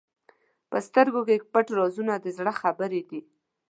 په سترګو کې پټ رازونه د زړه خبرې دي.